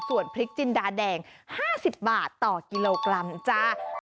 ส่วนพริกจินดาแดง๕๐บาทต่อกิโลกรัมจ้า